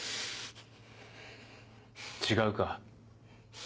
違うか？